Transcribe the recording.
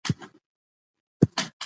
په راتلونکي کې به موږ کره ژباړې ولرو.